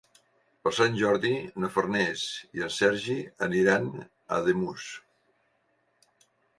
Per Sant Jordi na Farners i en Sergi aniran a Ademús.